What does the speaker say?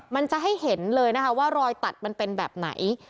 มันจะให้เห็นเลยนะคะว่ารอยตัดมันเป็นแบบไหน